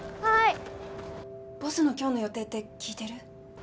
はいボスの今日の予定って聞いてる？